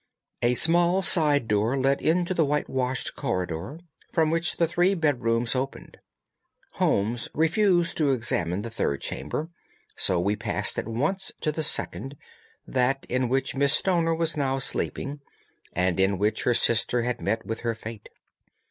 A small side door led into the whitewashed corridor from which the three bedrooms opened. Holmes refused to examine the third chamber, so we passed at once to the second, that in which Miss Stoner was now sleeping, and in which her sister had met with her fate.